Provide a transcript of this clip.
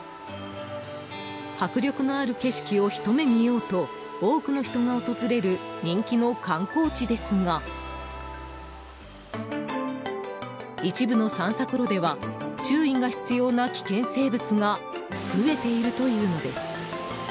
迫力のある景色をひと目見ようと多くの人が訪れる人気の観光地ですが一部の散策路では注意が必要な危険生物が増えているというのです。